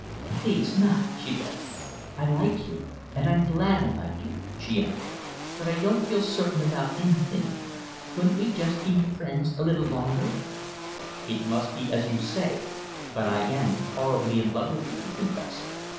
"Please not," she begged. "I like you and I'm glad I like you," she added, "but I don't feel certain about anything. Couldn't we be just friends a little longer?" "It must be as you say, but I am horribly in love with you," he confessed.